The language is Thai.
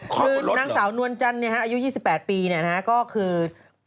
คือนางสาวนวลจันทร์อายุ๒๘ปีก็คือ